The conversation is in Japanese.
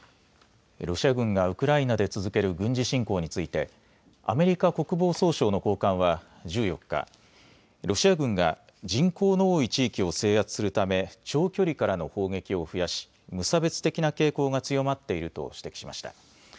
ロシア軍がウクライナで続ける軍事侵攻についてアメリカ国防総省の高官は１４日、ロシア軍が人口の多い地域を制圧するため長距離からの砲撃を増やし、無差別的な傾向が強まっていると指摘しました。